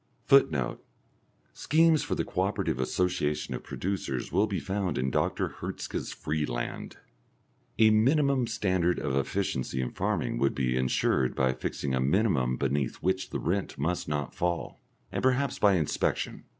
[Footnote: Schemes for the co operative association of producers will be found in Dr. Hertzka's Freeland.] A minimum standard of efficiency in farming would be insured by fixing a minimum beneath which the rent must not fall, and perhaps by inspection.